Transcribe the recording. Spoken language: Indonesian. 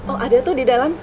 oh ada tuh di dalam